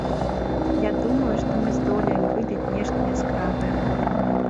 Я думаю, што мы здолеем выдаць нешта яскравае.